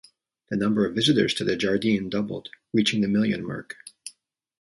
The number of visitors to the Jardin doubled, reaching the million mark.